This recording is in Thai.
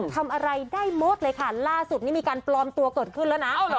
ทำอะไรได้หมดเลยค่ะล่าสุดนี้มีการปลอมตัวเกิดขึ้นแล้วนะ